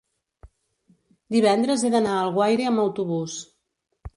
divendres he d'anar a Alguaire amb autobús.